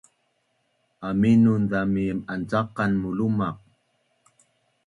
Aminun zami ancaqan mulumaq